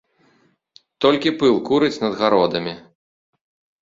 Толькі пыл курыць над гародамі.